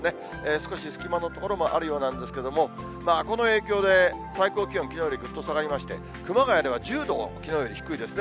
少し隙間の所もあるようなんですけれども、この影響で、最高気温、きのうよりぐっと下がりまして、熊谷では１０度もきのうより低いですね。